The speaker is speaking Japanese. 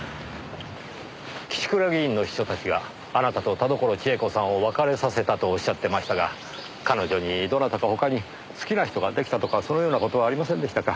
岸倉議員の秘書たちがあなたと田所千枝子さんを別れさせたとおっしゃってましたが彼女にどなたか他に好きな人が出来たとかそういうような事はありませんでしたか？